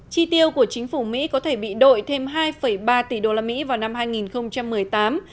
chi tiêu của chính phủ mỹ có thể bị đội thêm hai ba tỷ đô la mỹ vào năm hai nghìn một mươi tám